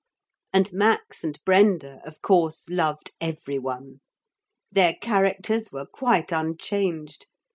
....... And Max and Brenda of course loved every one. Their characters were quite unchanged.